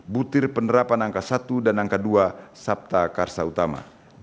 butir penerapan angka satu dan angka dua sabta karsa utama